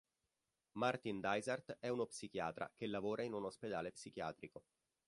Martyn Dysart è uno psichiatra che lavora in un ospedale psichiatrico.